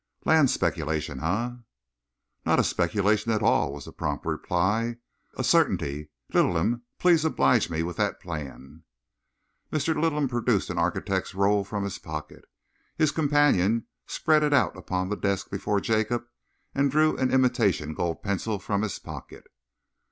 "Land speculation, eh?" "Not a speculation at all," was the prompt reply. "A certainty! Littleham, please oblige me with that plan." Mr. Littleham produced an architect's roll from his pocket. His companion spread it out upon the desk before Jacob and drew an imitation gold pencil from his pocket.